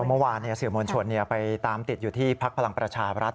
เมื่อวานสื่อมวลชนไปตามติดอยู่ที่พักพลังประชาบรัฐ